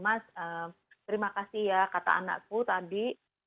mas terima kasih ya kata anakku tadi